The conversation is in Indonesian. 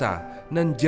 dan jauh di luar indonesia